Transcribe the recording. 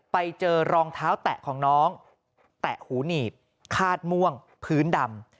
ไปเจอรองเท้าแตะของน้องแตะหูหนีบคาดม่วงพื้นดำ